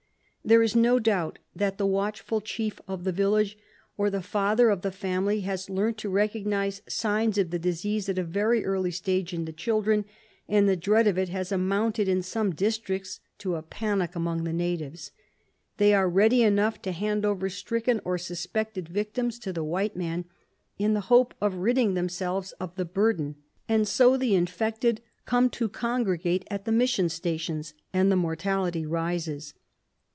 There is no doubt that the watchful chief of the village or the father of the family has learnt to recognise signs of the disease at a very early stage in the children, and the dread of it has amounted in some districts to a panic among the natives. They are ready enough to hand over stricken or suspected victims to the white man in the hope of ridding themselves of the burden, and so the infected come to congregate at the mission stations, and the mortality rises.